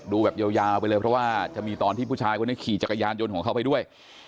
ดูแบบยาวไปเลยเพราะว่าจะมีตอนที่ผู้ชายคนนี้ขี่จักรยานยนต์ของเขาไปด้วย